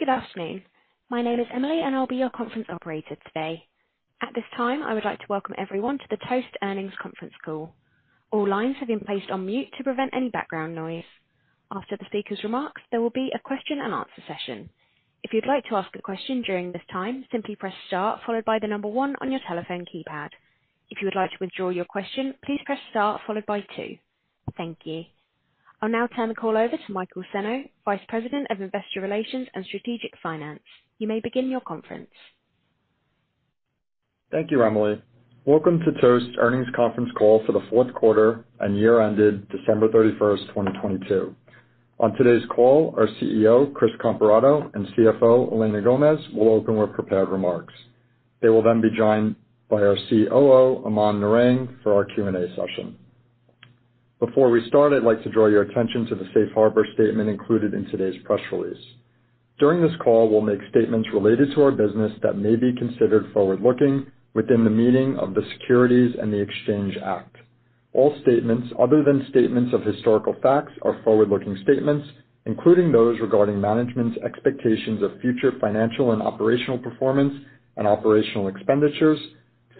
Good afternoon. My name is Emily, and I'll be your conference operator today. At this time, I would like to welcome everyone to the Toast Earnings Conference Call. All lines have been placed on mute to prevent any background noise. After the speaker's remarks, there will be a question and answer session. If you'd like to ask a question during this time, simply press Star followed by one on your telephone keypad. If you would like to withdraw your question, please press Star followed by two. Thank you. I'll now turn the call over to Michael Senno, Vice President of Investor Relations and Strategic Finance. You may begin your conference. Thank you, Emily. Welcome to Toast Earnings Conference call for the Q4 and year ended December 31, 2022. On today's call, our CEO, Chris Comparato, and CFO, Elena Gomez, will open with prepared remarks. They will then be joined by our COO, Aman Narang, for our Q&A session. Before we start, I'd like to draw your attention to the safe harbor statement included in today's press release. During this call, we'll make statements related to our business that may be considered forward-looking within the meaning of the Securities Exchange Act. All statements other than statements of historical facts are forward-looking statements, including those regarding management's expectations of future financial and operational performance and operational expenditures,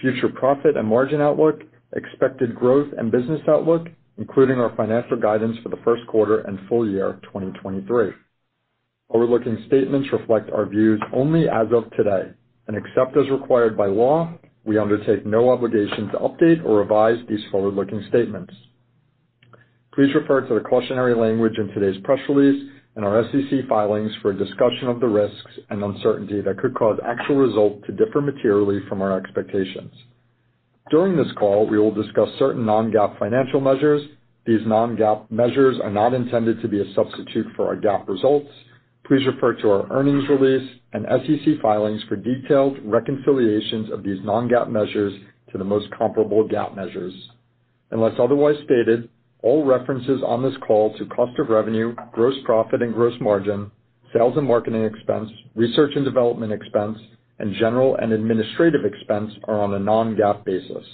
future profit and margin outlook, expected growth and business outlook, including our financial guidance for the Q1 and full year of 2023. Forward-looking statements reflect our views only as of today, and except as required by law, we undertake no obligation to update or revise these forward-looking statements. Please refer to the cautionary language in today's press release and our SEC filings for a discussion of the risks and uncertainty that could cause actual results to differ materially from our expectations. During this call, we will discuss certain non-GAAP financial measures. These non-GAAP measures are not intended to be a substitute for our GAAP results. Please refer to our earnings release and SEC filings for detailed reconciliations of these non-GAAP measures to the most comparable GAAP measures. Unless otherwise stated, all references on this call to cost of revenue, gross profit and gross margin, sales and marketing expense, research and development expense, and general and administrative expense are on a non-GAAP basis.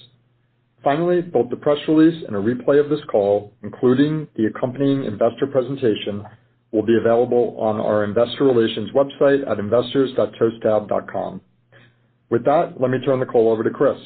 Finally, both the press release and a replay of this call, including the accompanying investor presentation, will be available on our investor relations website at investors.toasttab.com. With that, let me turn the call over to Chris.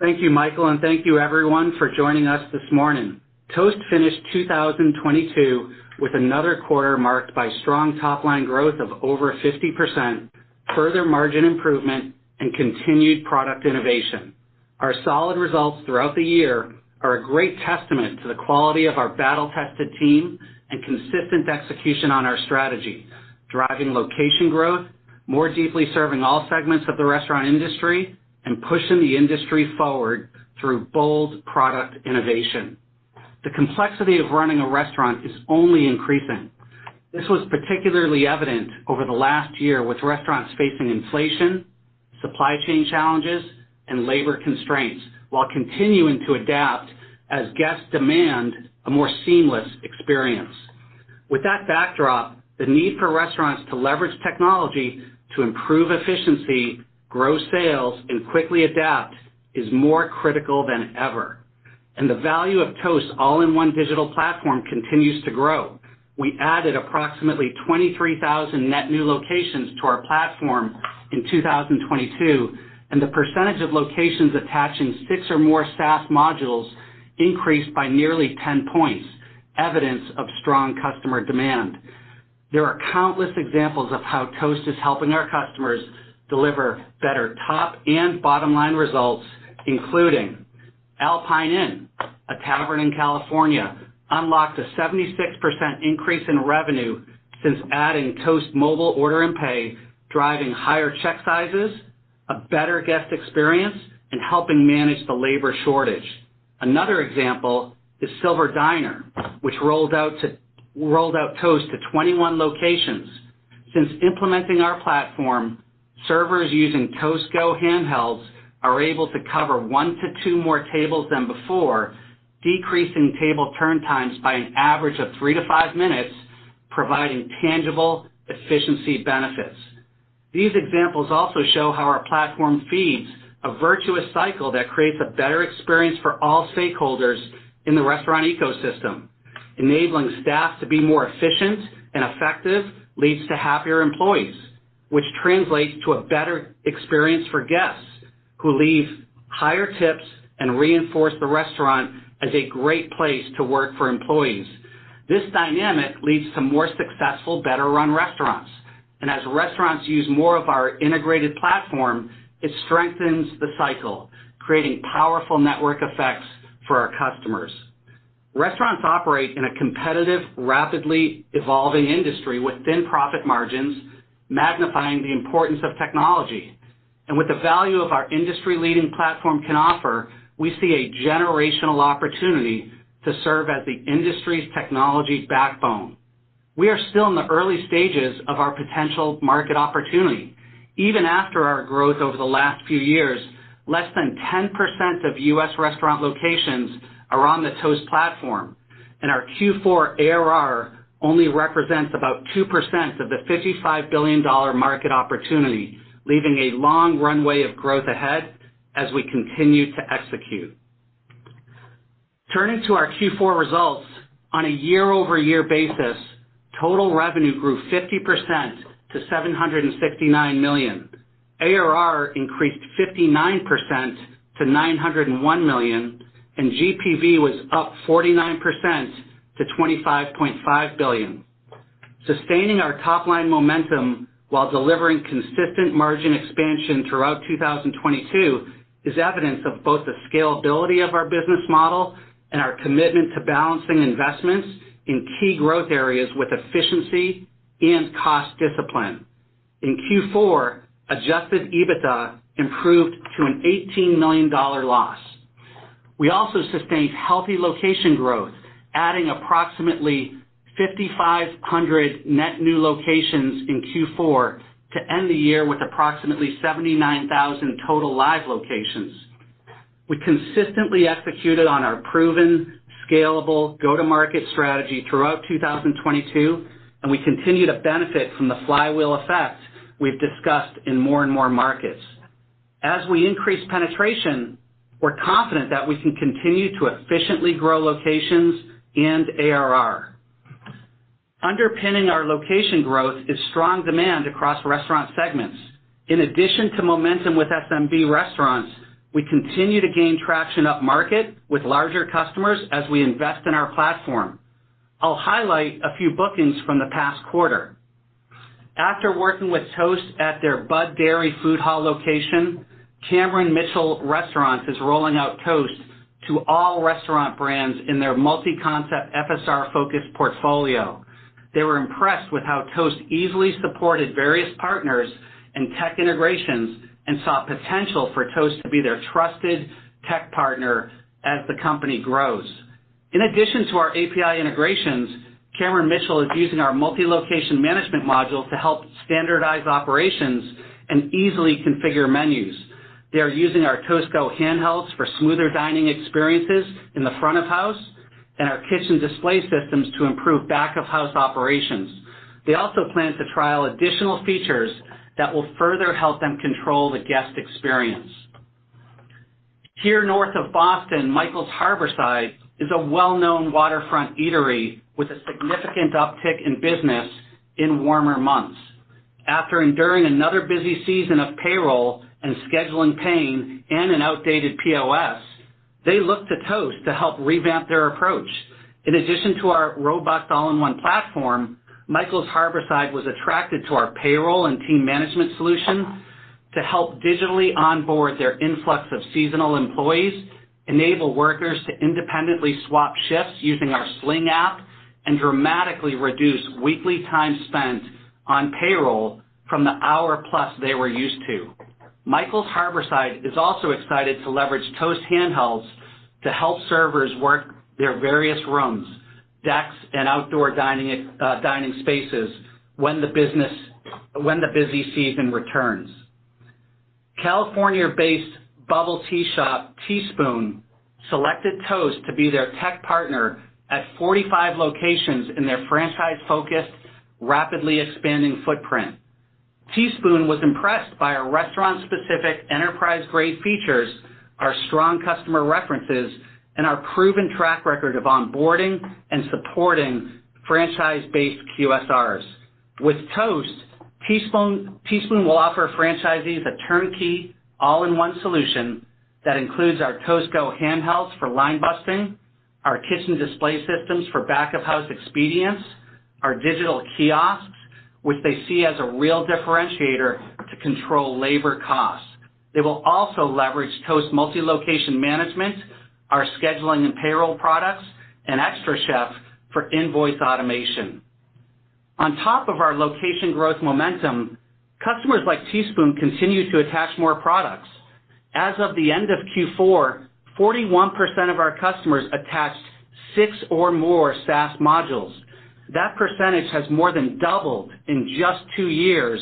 Thank you, Michael, and thank you everyone for joining us this morning. Toast finished 2022 with another quarter marked by strong top-line growth of over 50%, further margin improvement and continued product innovation. Our solid results throughout the year are a great testament to the quality of our battle-tested team and consistent execution on our strategy, driving location growth more deeply serving all segments of the restaurant industry and pushing the industry forward through bold product innovation. The complexity of running a restaurant is only increasing. This was particularly evident over the last year, with restaurants facing inflation, supply chain challenges, and labor constraints, while continuing to adapt as guests demand a more seamless experience. With that backdrop, the need for restaurants to leverage technology to improve efficiency, grow sales, and quickly adapt is more critical than ever. The value of Toast all-in-one digital platform continues to grow. We added approximately 23,000 net new locations to our platform in 2022, and the percentage of locations attaching six or more SaaS modules increased by nearly 10 points, evidence of strong customer demand. There are countless examples of how Toast is helping our customers deliver better top and bottom-line results, including Alpine Inn, a tavern in California, unlocked a 76% increase in revenue since adding Toast Mobile Order and Pay, driving higher check sizes, a better guest experience, and helping manage the labor shortage. Another example is Silver Diner, which rolled out Toast to 21 locations. Since implementing our platform, servers using Toast Go handhelds are able to cover one to two more tables than before, decreasing table turn times by an average of three to five minutes, providing tangible efficiency benefits. These examples also show how our platform feeds a virtuous cycle that creates a better experience for all stakeholders in the restaurant ecosystem. Enabling staff to be more efficient and effective leads to happier employees, which translates to a better experience for guests who leave higher tips and reinforce the restaurant as a great place to work for employees. This dynamic leads to more successful, better run restaurants. As restaurants use more of our integrated platform, it strengthens the cycle, creating powerful network effects for our customers. Restaurants operate in a competitive, rapidly evolving industry with thin profit margins, magnifying the importance of technology. With the value of our industry-leading platform can offer, we see a generational opportunity to serve as the industry's technology backbone. We are still in the early stages of our potential market opportunity. Even after our growth over the last few years, less than 10% of U.S. restaurant locations are on the Toast platform, and our Q4 ARR only represents about 2% of the $55 billion market opportunity, leaving a long runway of growth ahead as we continue to execute. Turning to our Q4 results. On a year-over-year basis, total revenue grew 50% to $769 million. ARR increased 59% to $901 million, and GPV was up 49% to $25.5 billion. Sustaining our top-line momentum while delivering consistent margin expansion throughout 2022 is evidence of both the scalability of our business model and our commitment to balancing investments in key growth areas with efficiency and cost discipline. In Q4, Adjusted EBITDA improved to an $18 million loss. We also sustained healthy location growth, adding approximately 5,500 net new locations in Q4 to end the year with approximately 79,000 total live locations. We consistently executed on our proven, scalable go-to-market strategy throughout 2022. We continue to benefit from the flywheel effect we've discussed in more and more markets. As we increase penetration, we're confident that we can continue to efficiently grow locations and ARR. Underpinning our location growth is strong demand across restaurant segments. In addition to momentum with SMB restaurants, we continue to gain traction upmarket with larger customers as we invest in our platform. I'll highlight a few bookings from the past quarter. After working with Toast at their Budd Dairy Food Hall location, Cameron Mitchell Restaurants is rolling out Toast to all restaurant brands in their multi-concept FSR-focused portfolio. They were impressed with how Toast easily supported various partners and tech integrations and saw potential for Toast to be their trusted tech partner as the company grows. In addition to our API integrations, Cameron Mitchell is using our multi-location management module to help standardize operations and easily configure menus. They are using our Toast Go handhelds for smoother dining experiences in the front of house and our kitchen display systems to improve back-of-house operations. They also plan to trial additional features that will further help them control the guest experience. Here north of Boston, Michael's Harborside is a well-known waterfront eatery with a significant uptick in business in warmer months. After enduring another busy season of payroll and scheduling pain and an outdated POS, they looked to Toast to help revamp their approach. In addition to our robust all-in-one platform, Michael's Harborside was attracted to our payroll and team management solutions to help digitally onboard their influx of seasonal employees, enable workers to independently swap shifts using our Sling app, and dramatically reduce weekly time spent on payroll from the hour-plus they were used to. Michael's Harborside is also excited to leverage Toast handhelds to help servers work their various rooms, decks, and outdoor dining spaces when the busy season returns. California-based bubble tea shop Teaspoon selected Toast to be their tech partner at 45 locations in their franchise-focused, rapidly expanding footprint. Teaspoon was impressed by our restaurant-specific enterprise-grade features, our strong customer references, and our proven track record of onboarding and supporting franchise-based QSRs. With Toast, Teaspoon will offer franchisees a turnkey all-in-one solution that includes our Toast Go handhelds for line busting, our kitchen display systems for back-of-house expedience, our digital kiosks, which they see as a real differentiator to control labor costs. They will also leverage Toast multi-location management, our scheduling and payroll products, and xtraCHEF for invoice automation. On top of our location growth momentum, customers like Teaspoon continue to attach more products. As of the end of Q4, 41% of our customers attached six or more SaaS modules. That percentage has more than doubled in just two years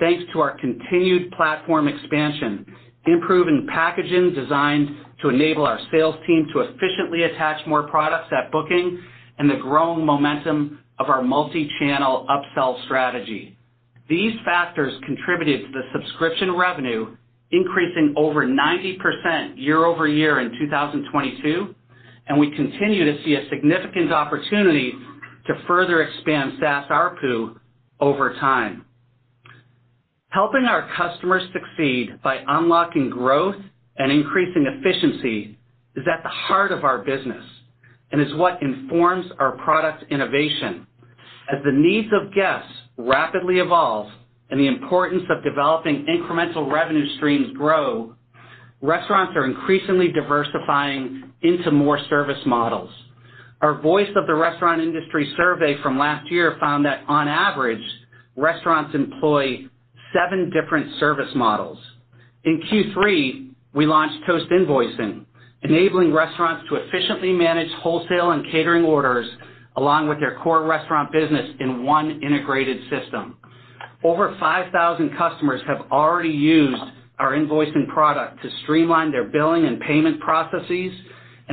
thanks to our continued platform expansion, improving packaging designed to enable our sales team to efficiently attach more products at booking, and the growing momentum of our multi-channel upsell strategy. These factors contributed to the subscription revenue increasing over 90% year-over-year in 2022. We continue to see a significant opportunity to further expand SaaS ARPU over time. Helping our customers succeed by unlocking growth and increasing efficiency is at the heart of our business and is what informs our product innovation. As the needs of guests rapidly evolve and the importance of developing incremental revenue streams grow, restaurants are increasingly diversifying into more service models. Our Voice of the Restaurant Industry survey from last year found that on average, restaurants employ seven different service models. In Q3, we launched Toast Invoicing, enabling restaurants to efficiently manage wholesale and catering orders along with their core restaurant business in one integrated system. Over 5,000 customers have already used our Invoicing product to streamline their billing and payment processes.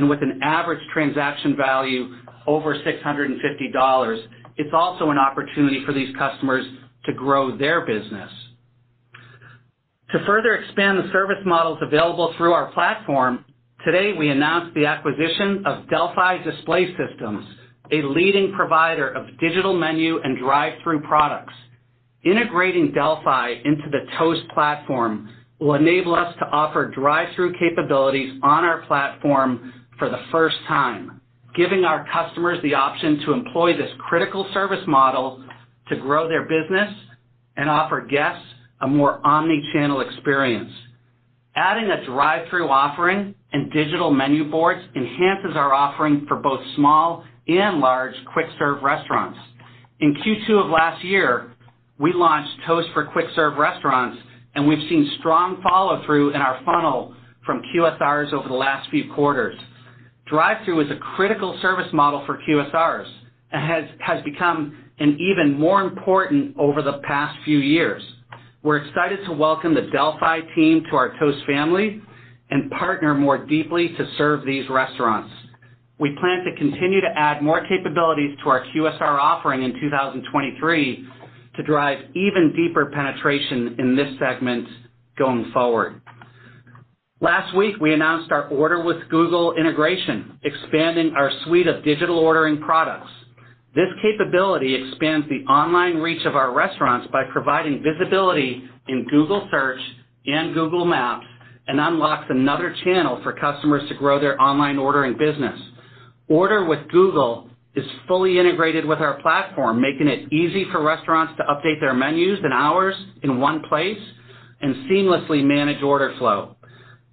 With an average transaction value over $650, it's also an opportunity for these customers to grow their business. To further expand the service models available through our platform, today, we announced the acquisition of Delphi Display Systems, a leading provider of digital menu and drive-through products. Integrating Delphi into the Toast platform will enable us to offer drive-through capabilities on our platform for the first time, giving our customers the option to employ this critical service model to grow their business and offer guests a more omni-channel experience. Adding a drive-through offering and digital menu boards enhances our offering for both small and large quick-service restaurants. In Q2 of last year, we launched Toast for quick-serve restaurants, and we've seen strong follow-through in our funnel from QSRs over the last few quarters. Drive-through is a critical service model for QSRs and has become an even more important over the past few years. We're excited to welcome the Delphi team to our Toast family and partner more deeply to serve these restaurants. We plan to continue to add more capabilities to our QSR offering in 2023 to drive even deeper penetration in this segment going forward. Last week, we announced our Order with Google integration, expanding our suite of digital ordering products. This capability expands the online reach of our restaurants by providing visibility in Google Search and Google Maps and unlocks another channel for customers to grow their online ordering business. Order with Google is fully integrated with our platform, making it easy for restaurants to update their menus and hours in one place and seamlessly manage order flow.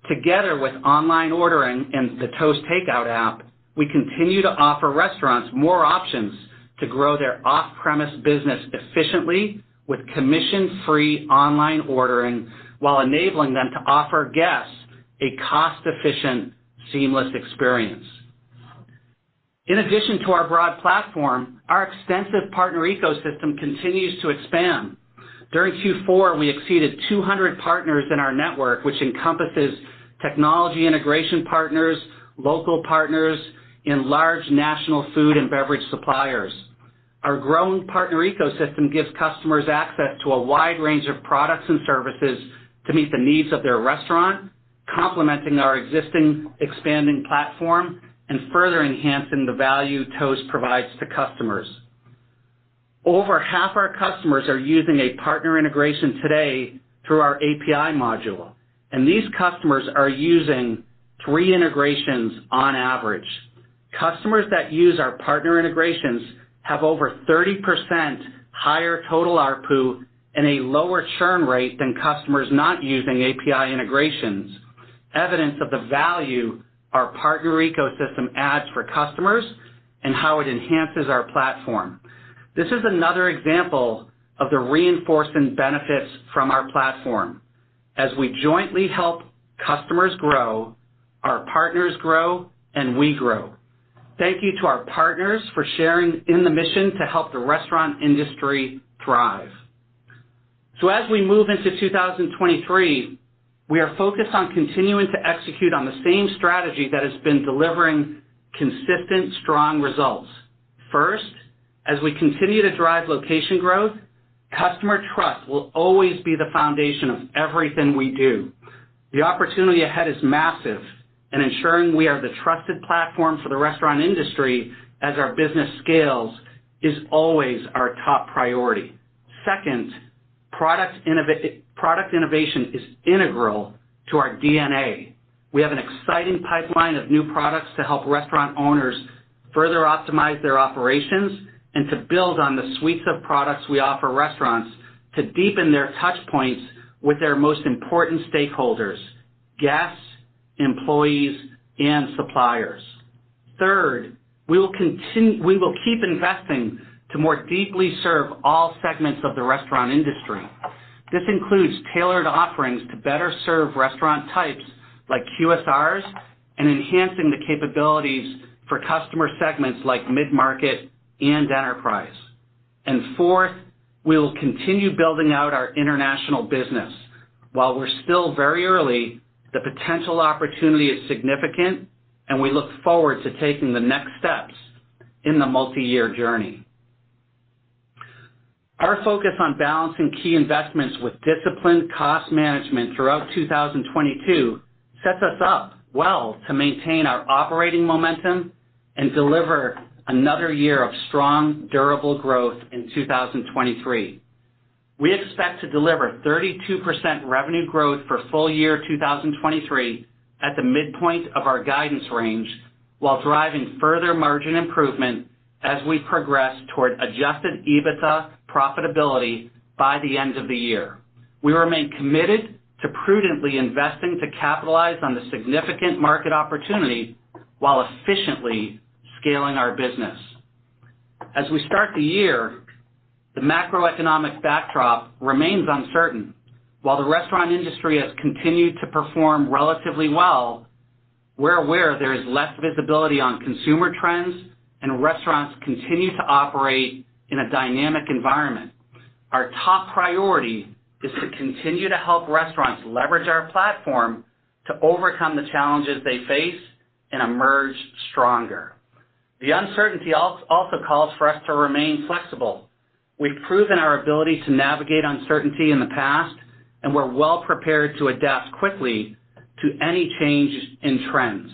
Together with online ordering and the Toast Takeout app, we continue to offer restaurants more options to grow their off-premise business efficiently with commission-free online ordering while enabling them to offer guests a cost-efficient, seamless experience. In addition to our broad platform, our extensive partner ecosystem continues to expand. During Q4, we exceeded 200 partners in our network, which encompasses technology integration partners, local partners, and large national food and beverage suppliers. Our growing partner ecosystem gives customers access to a wide range of products and services to meet the needs of their restaurant, complementing our existing expanding platform and further enhancing the value Toast provides to customers. Over half our customers are using a partner integration today through our API module, and these customers are using three integrations on average. Customers that use our partner integrations have over 30% higher total ARPU and a lower churn rate than customers not using API integrations, evidence of the value our partner ecosystem adds for customers and how it enhances our platform. This is another example of the reinforcement benefits from our platform. As we jointly help customers grow, our partners grow, and we grow. Thank you to our partners for sharing in the mission to help the restaurant industry thrive. As we move into 2023, we are focused on continuing to execute on the same strategy that has been delivering consistent, strong results. First, as we continue to drive location growth, customer trust will always be the foundation of everything we do. The opportunity ahead is massive, ensuring we are the trusted platform for the restaurant industry as our business scales is always our top priority. Second, product innovation is integral to our DNA. We have an exciting pipeline of new products to help restaurant owners further optimize their operations and to build on the suites of products we offer restaurants to deepen their touch points with their most important stakeholders, guests, employees, and suppliers. Third, we will keep investing to more deeply serve all segments of the restaurant industry. This includes tailored offerings to better serve restaurant types like QSRs and enhancing the capabilities for customer segments like mid-market and enterprise. Fourth, we will continue building out our international business. While we're still very early, the potential opportunity is significant, and we look forward to taking the next steps in the multiyear journey. Our focus on balancing key investments with disciplined cost management throughout 2022 sets us up well to maintain our operating momentum and deliver another year of strong, durable growth in 2023. We expect to deliver 32% revenue growth for full year 2023 at the midpoint of our guidance range while driving further margin improvement as we progress toward Adjusted EBITDA profitability by the end of the year. We remain committed to prudently investing to capitalize on the significant market opportunity while efficiently scaling our business. As we start the year, the macroeconomic backdrop remains uncertain. While the restaurant industry has continued to perform relatively well, we're aware there is less visibility on consumer trends, and restaurants continue to operate in a dynamic environment. Our top priority is to continue to help restaurants leverage our platform to overcome the challenges they face and emerge stronger. The uncertainty also calls for us to remain flexible. We've proven our ability to navigate uncertainty in the past, and we're well-prepared to adapt quickly to any change in trends.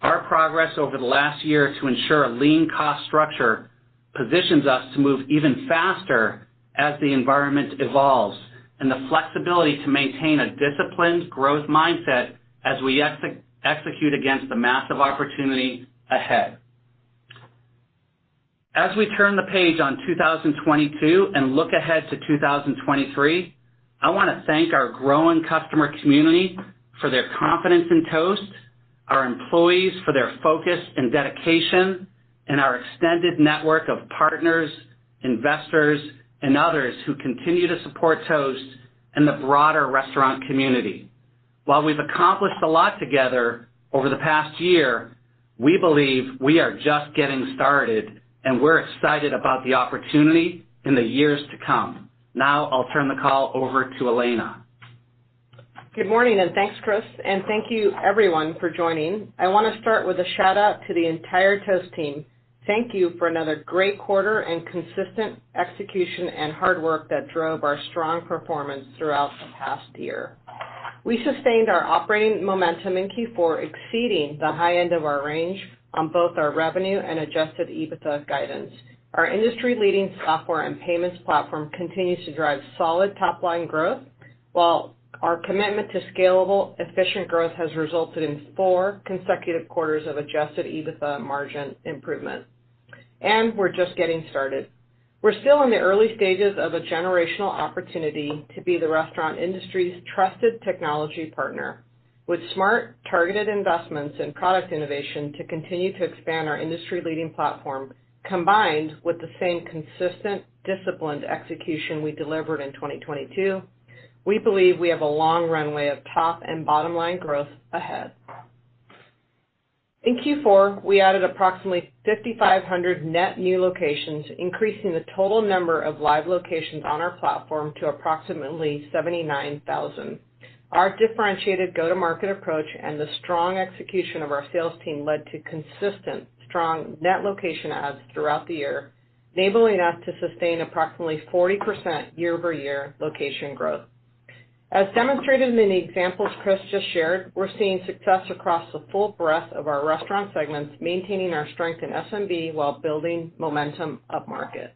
Our progress over the last year to ensure a lean cost structure positions us to move even faster as the environment evolves, and the flexibility to maintain a disciplined growth mindset as we execute against the massive opportunity ahead. As we turn the page on 2022 and look ahead to 2023, I wanna thank our growing customer community for their confidence in Toast, our employees for their focus and dedication, and our extended network of partners, investors, and others who continue to support Toast and the broader restaurant community. While we've accomplished a lot together over the past year, we believe we are just getting started, and we're excited about the opportunity in the years to come. Now I'll turn the call over to Elena. Good morning, and thanks, Chris. Thank you everyone for joining. I wanna start with a shout-out to the entire Toast team. Thank you for another great quarter and consistent execution and hard work that drove our strong performance throughout the past year. We sustained our operating momentum in Q4, exceeding the high end of our range on both our revenue and Adjusted EBITDA guidance. Our industry-leading software and payments platform continues to drive solid top-line growth, while our commitment to scalable, efficient growth has resulted in four consecutive quarters of Adjusted EBITDA margin improvement. We're just getting started. We're still in the early stages of a generational opportunity to be the restaurant industry's trusted technology partner. With smart, targeted investments in product innovation to continue to expand our industry-leading platform, combined with the same consistent, disciplined execution we delivered in 2022, we believe we have a long runway of top and bottom line growth ahead. In Q4, we added approximately 5,500 net new locations, increasing the total number of live locations on our platform to approximately 79,000. Our differentiated go-to-market approach and the strong execution of our sales team led to consistent strong net location adds throughout the year, enabling us to sustain approximately 40% year-over-year location growth. As demonstrated in the examples Chris just shared, we're seeing success across the full breadth of our restaurant segments, maintaining our strength in SMB while building momentum up-market.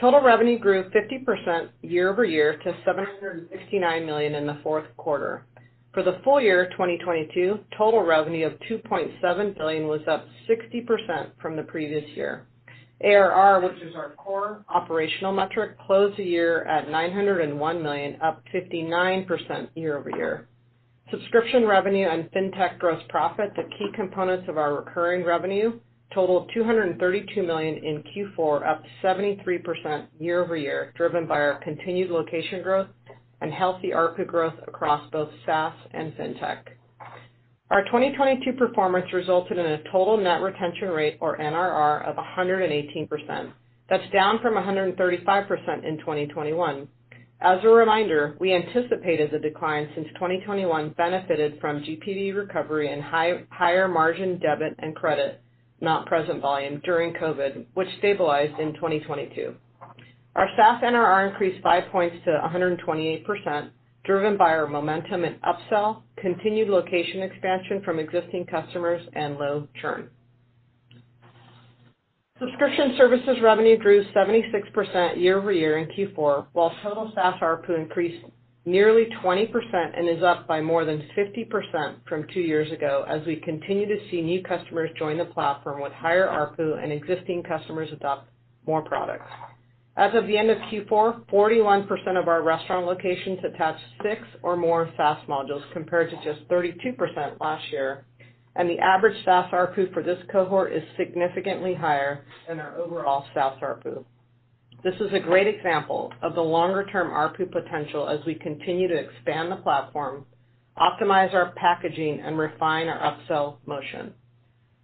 Total revenue grew 50% year-over-year to $769 million in the Q4. For the full year of 2022, total revenue of $2.7 billion was up 60% from the previous year. ARR, which is our core operational metric, closed the year at $901 million, up 59% year-over-year. Subscription revenue and fintech gross profit, the key components of our recurring revenue, totaled $232 million in Q4, up 73% year-over-year, driven by our continued location growth and healthy ARPU growth across both SaaS and fintech. Our 2022 performance resulted in a total net retention rate, or NRR, of 118%. That's down from 135% in 2021. As a reminder, we anticipated the decline since 2021 benefited from GPV recovery and higher margin debit and credit, not present volume during COVID, which stabilized in 2022. Our SaaS NRR increased five points to 128%, driven by our momentum in upsell, continued location expansion from existing customers, and low churn. Subscription services revenue grew 76% year-over-year in Q4, while total SaaS ARPU increased nearly 20% and is up by more than 50% from two years ago as we continue to see new customers join the platform with higher ARPU and existing customers adopt more products. As of the end of Q4, 41% of our restaurant locations attached six or more SaaS modules, compared to just 32% last year, and the average SaaS ARPU for this cohort is significantly higher than our overall SaaS ARPU. This is a great example of the longer-term ARPU potential as we continue to expand the platform, optimize our packaging, and refine our upsell motion.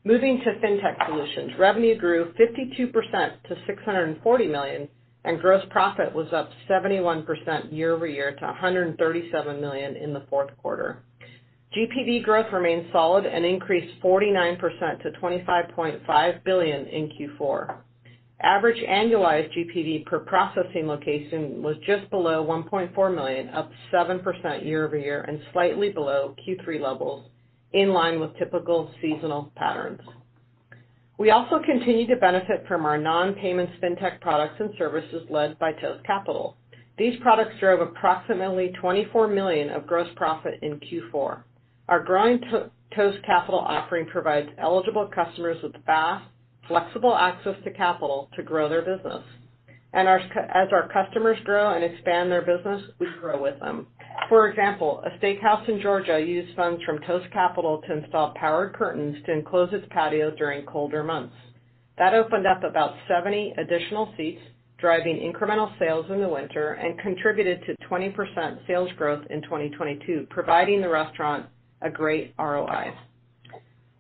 Moving to fintech solutions, revenue grew 52% to $640 million, and gross profit was up 71% year-over-year to $137 million in the Q4. GPV growth remains solid and increased 49% to $25.5 billion in Q4. Average annualized GPV per processing location was just below $1.4 million, up 7% year-over-year and slightly below Q3 levels, in line with typical seasonal patterns. We also continue to benefit from our non-payments fintech products and services led by Toast Capital. These products drove approximately $24 million of gross profit in Q4. Our growing Toast Capital offering provides eligible customers with fast, flexible access to capital to grow their business. As our customers grow and expand their business, we grow with them. For example, a steakhouse in Georgia used funds from Toast Capital to install powered curtains to enclose its patio during colder months. That opened up about 70 additional seats, driving incremental sales in the winter, and contributed to 20% sales growth in 2022, providing the restaurant a great ROI.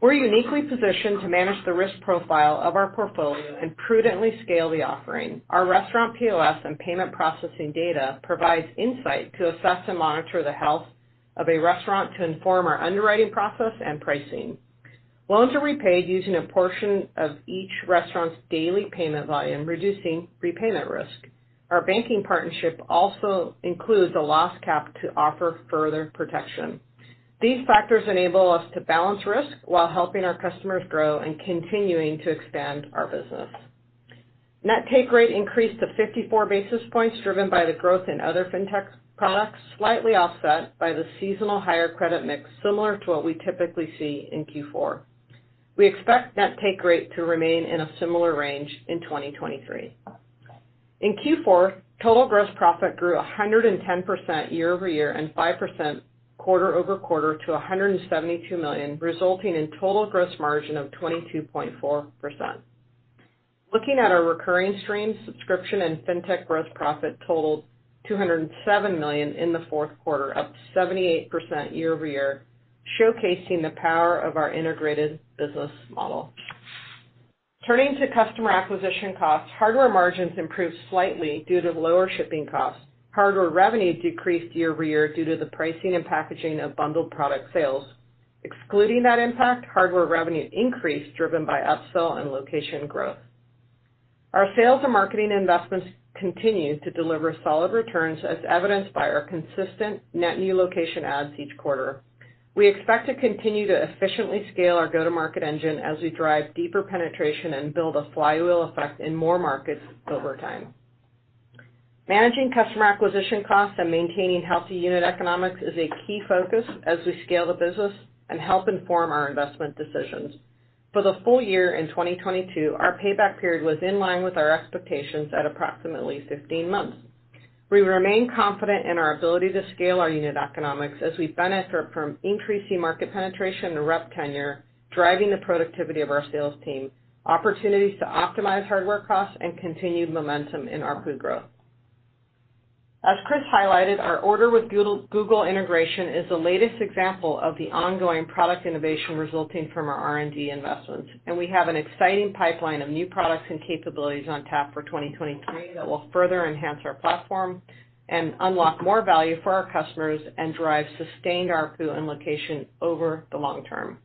We're uniquely positioned to manage the risk profile of our portfolio and prudently scale the offering. Our restaurant POS and payment processing data provides insight to assess and monitor the health of a restaurant to inform our underwriting process and pricing. Loans are repaid using a portion of each restaurant's daily payment volume, reducing repayment risk. Our banking partnership also includes a loss cap to offer further protection. These factors enable us to balance risk while helping our customers grow and continuing to expand our business. Net take rate increased to 54 basis points, driven by the growth in other Fintech products, slightly offset by the seasonal higher credit mix, similar to what we typically see in Q4. We expect net take rate to remain in a similar range in 2023. In Q4, total gross profit grew 110% year-over-year and 5% quarter-over-quarter to $172 million, resulting in total gross margin of 22.4%. Looking at our recurring streams, subscription and Fintech gross profit totaled $207 million in the Q4, up 78% year-over-year, showcasing the power of our integrated business model. Turning to customer acquisition costs, hardware margins improved slightly due to lower shipping costs. Hardware revenue decreased year-over-year due to the pricing and packaging of bundled product sales. Excluding that impact, hardware revenue increased, driven by upsell and location growth. Our sales and marketing investments continue to deliver solid returns, as evidenced by our consistent net new location adds each quarter. We expect to continue to efficiently scale our go-to-market engine as we drive deeper penetration and build a flywheel effect in more markets over time. Managing customer acquisition costs and maintaining healthy unit economics is a key focus as we scale the business and help inform our investment decisions. For the full year in 2022, our payback period was in line with our expectations at approximately 15 months. We remain confident in our ability to scale our unit economics as we benefit from increasing market penetration and rep tenure, driving the productivity of our sales team, opportunities to optimize hardware costs, and continued momentum in ARPU growth. As Chris highlighted, our Order with Google integration is the latest example of the ongoing product innovation resulting from our R&D investments. We have an exciting pipeline of new products and capabilities on tap for 2023 that will further enhance our platform and unlock more value for our customers and drive sustained ARPU and location over the long term.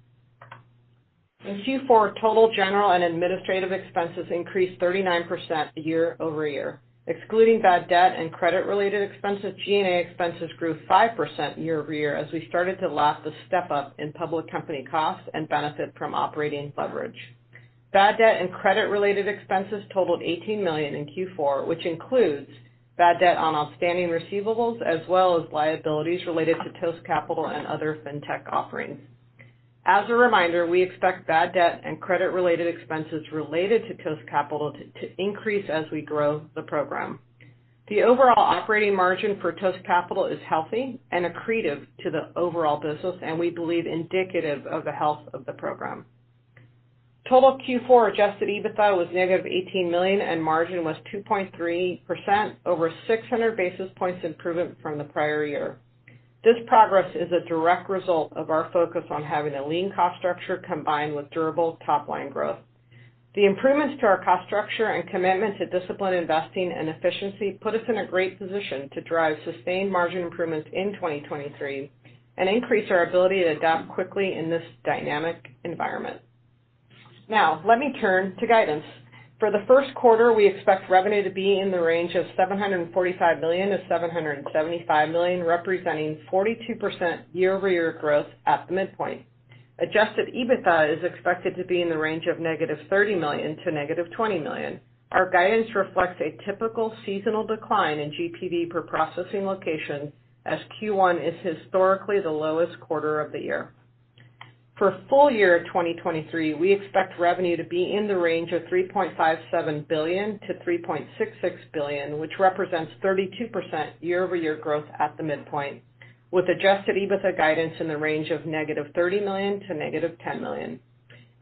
In Q4, total general and administrative expenses increased 39% year-over-year. Excluding bad debt and credit-related expenses, G&A expenses grew 5% year-over-year as we started to lap the step-up in public company costs and benefit from operating leverage. Bad debt and credit-related expenses totaled $18 million in Q4, which includes bad debt on outstanding receivables as well as liabilities related to Toast Capital and other Fintech offerings. As a reminder, we expect bad debt and credit-related expenses related to Toast Capital to increase as we grow the program. The overall operating margin for Toast Capital is healthy and accretive to the overall business, and we believe indicative of the health of the program. Total Q4 Adjusted EBITDA was negative $18 million, and margin was 2.3%, over 600 basis points improvement from the prior year. This progress is a direct result of our focus on having a lean cost structure combined with durable top-line growth. The improvements to our cost structure and commitment to disciplined investing and efficiency put us in a great position to drive sustained margin improvements in 2023 and increase our ability to adapt quickly in this dynamic environment. Let me turn to guidance. For the Q1, we expect revenue to be in the range of $745 million-$775 million, representing 42% year-over-year growth at the midpoint. Adjusted EBITDA is expected to be in the range of -$30 million to -$20 million. Our guidance reflects a typical seasonal decline in GPV per processing location, as Q1 is historically the lowest quarter of the year. For full year of 2023, we expect revenue to be in the range of $3.57 billion-$3.66 billion, which represents 32% year-over-year growth at the midpoint, with Adjusted EBITDA guidance in the range of -$30 million to -$10 million.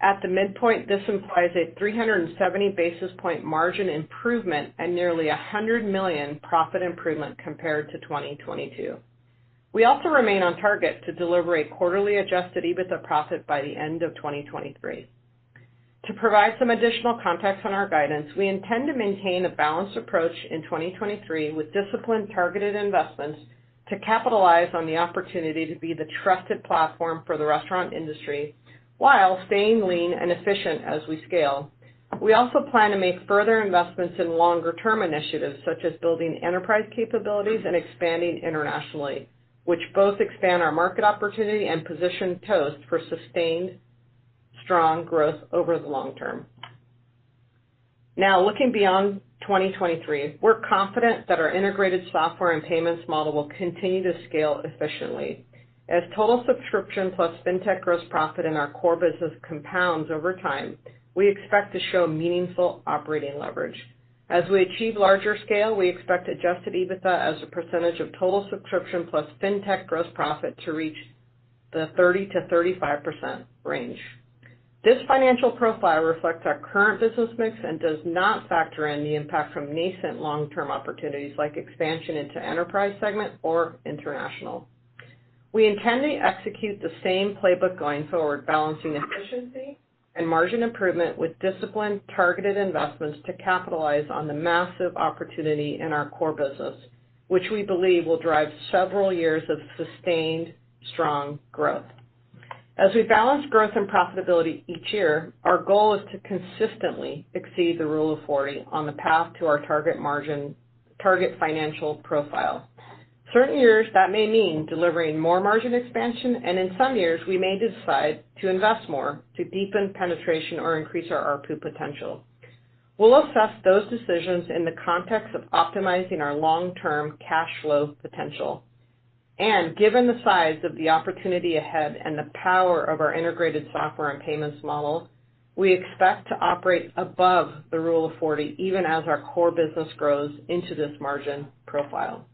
At the midpoint, this implies a 370 basis point margin improvement and nearly a $100 million profit improvement compared to 2022. We also remain on target to deliver a quarterly Adjusted EBITDA profit by the end of 2023. To provide some additional context on our guidance, we intend to maintain a balanced approach in 2023 with disciplined, targeted investments to capitalize on the opportunity to be the trusted platform for the restaurant industry while staying lean and efficient as we scale. We also plan to make further investments in longer-term initiatives, such as building enterprise capabilities and expanding internationally, which both expand our market opportunity and position Toast for sustained strong growth over the long term. Looking beyond 2023, we're confident that our integrated software and payments model will continue to scale efficiently. As total subscription plus Fintech gross profit in our core business compounds over time, we expect to show meaningful operating leverage. As we achieve larger scale, we expect Adjusted EBITDA as a percentage of total subscription plus Fintech gross profit to reach the 30%-35% range. This financial profile reflects our current business mix and does not factor in the impact from nascent long-term opportunities like expansion into enterprise segment or international. We intend to execute the same playbook going forward, balancing efficiency and margin improvement with disciplined targeted investments to capitalize on the massive opportunity in our core business, which we believe will drive several years of sustained strong growth. As we balance growth and profitability each year, our goal is to consistently exceed the Rule of 40 on the path to our target financial profile. Certain years that may mean delivering more margin expansion, and in some years, we may decide to invest more to deepen penetration or increase our ARPU potential. We'll assess those decisions in the context of optimizing our long-term cash flow potential. Given the size of the opportunity ahead and the power of our integrated software and payments model, we expect to operate above the Rule of 40, even as our core business grows into this margin profile.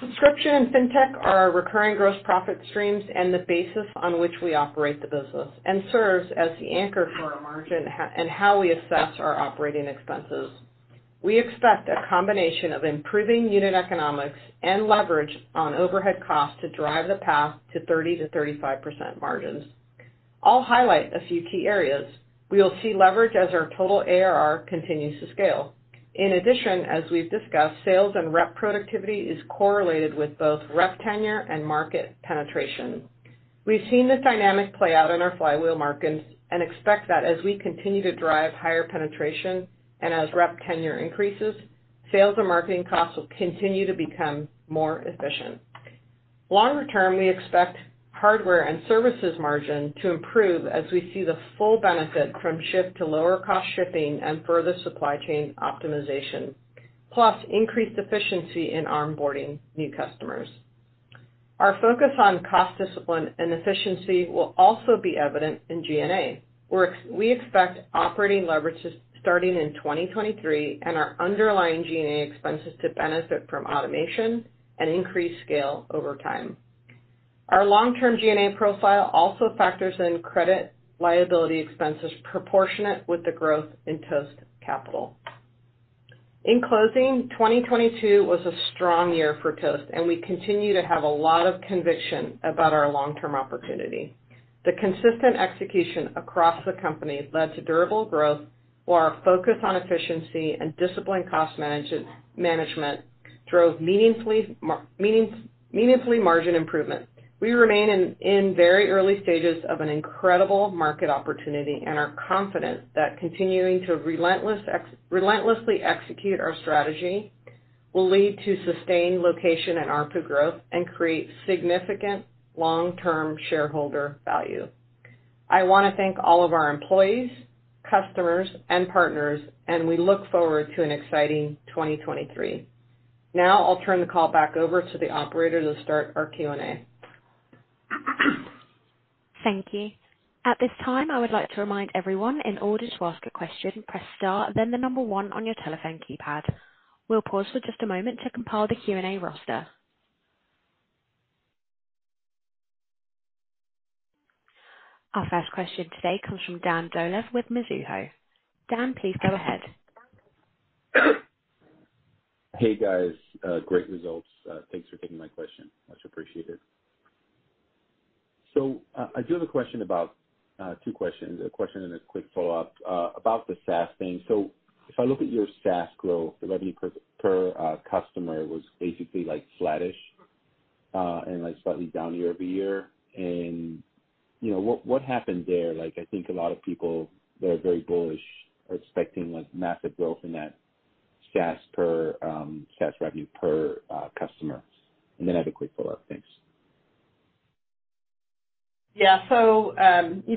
Subscription and Fintech are our recurring gross profit streams and the basis on which we operate the business, and serves as the anchor for our margin and how we assess our operating expenses. We expect a combination of improving unit economics and leverage on overhead costs to drive the path to 30%-35% margins. I'll highlight a few key areas. We will see leverage as our total ARR continues to scale. In addition, as we've discussed, sales and rep productivity is correlated with both rep tenure and market penetration. We've seen this dynamic play out in our flywheel markets and expect that as we continue to drive higher penetration and as rep tenure increases, sales and marketing costs will continue to become more efficient. Longer term, we expect hardware and services margin to improve as we see the full benefit from shift to lower cost shipping and further supply chain optimization, plus increased efficiency in onboarding new customers. Our focus on cost discipline and efficiency will also be evident in G&A, where we expect operating leverages starting in 2023 and our underlying G&A expenses to benefit from automation and increased scale over time. Our long-term G&A profile also factors in credit liability expenses proportionate with the growth in Toast Capital. In closing, 2022 was a strong year for Toast, and we continue to have a lot of conviction about our long-term opportunity. The consistent execution across the company led to durable growth, while our focus on efficiency and disciplined cost management drove meaningfully margin improvement. We remain in very early stages of an incredible market opportunity, and are confident that continuing to relentlessly execute our strategy will lead to sustained location and ARPU growth and create significant long-term shareholder value. I want to thank all of our employees, customers, and partners, and we look forward to an exciting 2023. Now I'll turn the call back over to the operator to start our Q&A. Thank you. At this time, I would like to remind everyone, in order to ask a question, press star then one on your telephone keypad. We'll pause for just a moment to compile the Q&A roster. Our first question today comes from Dan Dolev with Mizuho. Dan, please go ahead. Hey, guys, great results. Thanks for taking my question. Much appreciated. I do have a question about two questions, a question and a quick follow-up, about the SaaS thing. If I look at your SaaS growth, the revenue per customer was basically like flattish, and like slightly down year-over-year. You know, what happened there? Like, I think a lot of people that are very bullish are expecting like massive growth in that SaaS per, SaaS revenue per customer. I have a quick follow-up. Thanks. Yeah. You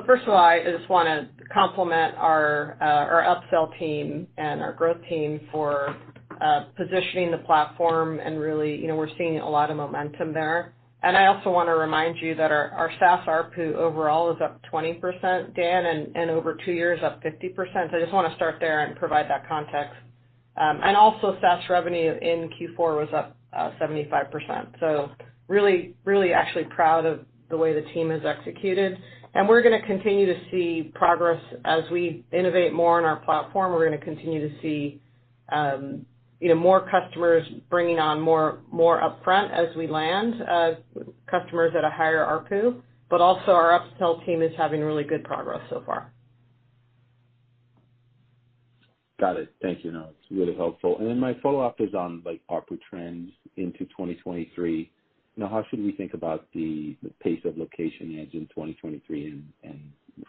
know, first of all, I just wanna compliment our upsell team and our growth team for positioning the platform and really, you know, we're seeing a lot of momentum there. I also wanna remind you that our SaaS ARPU overall is up 20%, Dan, and over two years up 50%. I just wanna start there and provide that context. Also SaaS revenue in Q4 was up 75%. Really actually proud of the way the team has executed. We're gonna continue to see progress as we innovate more on our platform. We're gonna continue to see, you know, more customers bringing on more upfront as we land customers at a higher ARPU. Also our upsell team is having really good progress so far. Got it. Thank you, Elena. It's really helpful. Then my follow-up is on like ARPU trends into 2023. Now, how should we think about the pace of location adds in 2023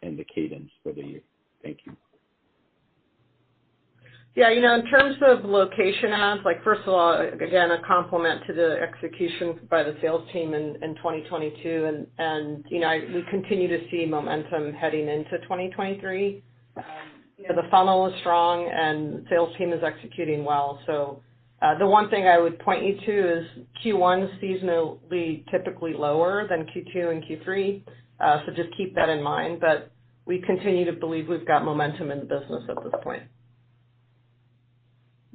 and the cadence for the year? Thank you. Yeah, you know, in terms of location adds, like first of all, again, a compliment to the execution by the sales team in 2022. You know, we continue to see momentum heading into 2023. You know, the funnel is strong and sales team is executing well. The one thing I would point you to is Q1 is seasonally typically lower than Q2 and Q3. Just keep that in mind, but we continue to believe we've got momentum in the business at this point.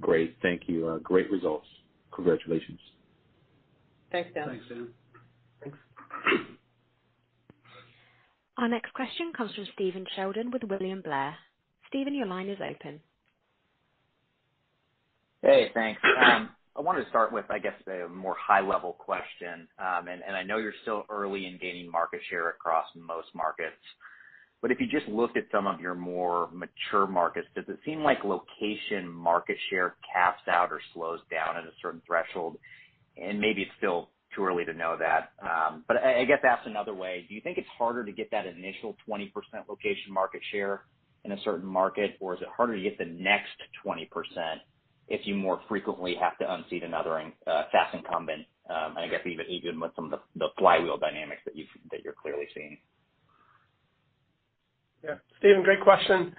Great. Thank you. Great results. Congratulations. Thanks, Dan. Thanks, Dan. Thanks. Our next question comes from Stephen Sheldon with William Blair. Steven, your line is open. Hey, thanks. I wanted to start with, I guess, a more high level question. I know you're still early in gaining market share across most markets, but if you just look at some of your more mature markets, does it seem like location market share caps out or slows down at a certain threshold? Maybe it's still too early to know that, but I guess asked another way, do you think it's harder to get that initial 20% location market share in a certain market, or is it harder to get the next 20% if you more frequently have to unseat another fast incumbent? I guess even with some of the flywheel dynamics that you're clearly seeing. Yeah. Stephen, great question.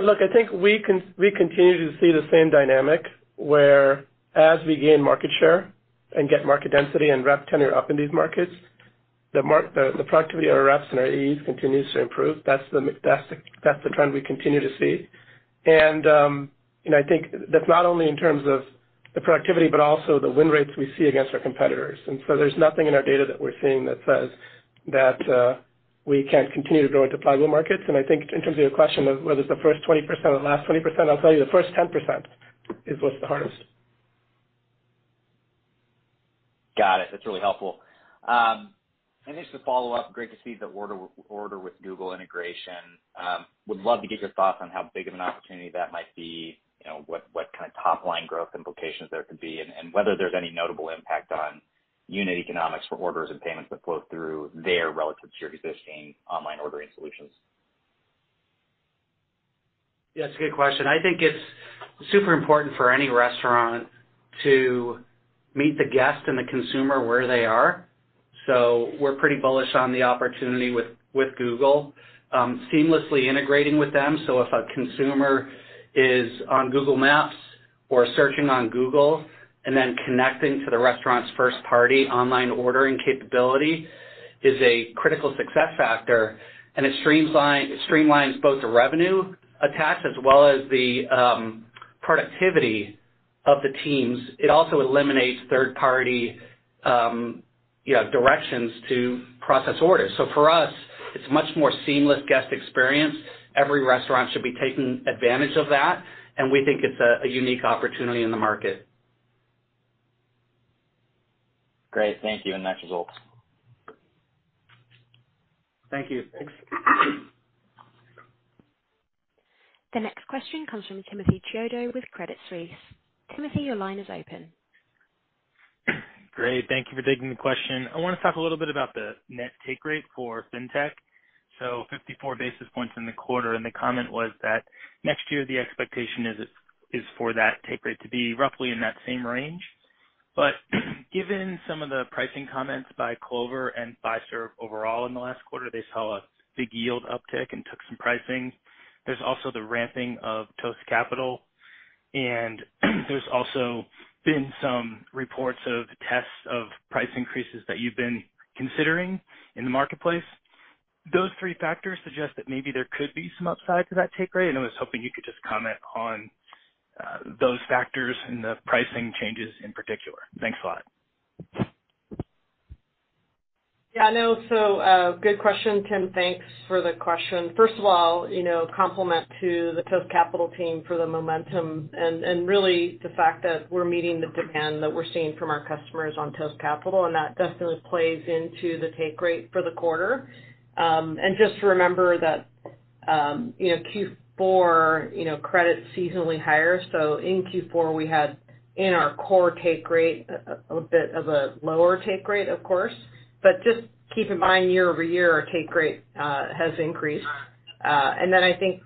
Look, I think we continue to see the same dynamic where as we gain market share and get market density and rep tenure up in these markets, the productivity of our reps and our ease continues to improve. That's the trend we continue to see. I think that's not only in terms of the productivity but also the win rates we see against our competitors. There's nothing in our data that we're seeing that says that we can't continue to grow into flywheel markets. I think in terms of your question of whether it's the first 20% or the last 20%, I'll tell you the first 10% is what's the hardest. Got it. That's really helpful. Just to follow up, great to see the Order with Google integration. Would love to get your thoughts on how big of an opportunity that might be, you know, what kind of top line growth implications there could be, and whether there's any notable impact on unit economics for orders and payments that flow through there relative to your existing online ordering solutions. Yeah, it's a good question. I think it's super important for any restaurant to meet the guest and the consumer where they are. we're pretty bullish on the opportunity with Google, seamlessly integrating with them. If a consumer is on Google Maps or searching on Google and then connecting to the restaurant's first party online ordering capability is a critical success factor, and it streamlines both the revenue attached as well as the productivity of the teams. It also eliminates third party, you know, directions to process orders. For us, it's much more seamless guest experience. Every restaurant should be taking advantage of that, and we think it's a unique opportunity in the market. Great. Thank you. Next results. Thank you. Thanks. The next question comes from Timothy Chiodo with Credit Suisse. Timothy, your line is open. Great. Thank you for taking the question. I wanna talk a little bit about the Net Take Rate for Fintech. 54 basis points in the quarter, and the comment was that next year the expectation is it is for that take rate to be roughly in that same range. Given some of the pricing comments by Clover and Fiserv overall in the last quarter, they saw a big yield uptick and took some pricing. There's also the ramping of Toast Capital, and there's also been some reports of tests of price increases that you've been considering in the marketplace. Those three factors suggest that maybe there could be some upside to that take rate, and I was hoping you could just comment on those factors and the pricing changes in particular. Thanks a lot. Yeah, no. Good question, Tim. Thanks for the question. First of all, you know, compliment to the Toast Capital team for the momentum and really the fact that we're meeting the demand that we're seeing from our customers on Toast Capital, that definitely plays into the take rate for the quarter. Just to remember that, you know, Q4, you know, credit's seasonally higher. In Q4 we had in our core take rate a bit of a lower take rate of course. Just keep in mind, year-over-year, our take rate has increased. I think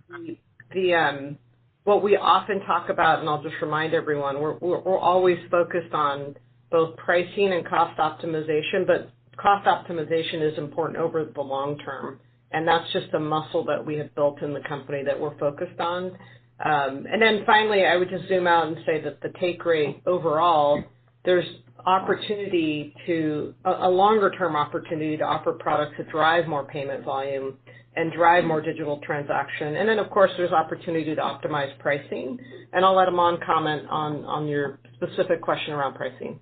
what we often talk about, and I'll just remind everyone, we're always focused on both pricing and cost optimization, but cost optimization is important over the long term, and that's just a muscle that we have built in the company that we're focused on. Finally, I would just zoom out and say that the take rate overall, there's opportunity to a longer term opportunity to offer products that drive more payment volume and drive more digital transaction. Of course, there's opportunity to optimize pricing. I'll let Aman comment on your specific question around pricing.